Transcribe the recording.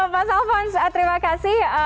mas alfons terima kasih